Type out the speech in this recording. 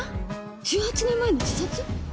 １８年前に自殺？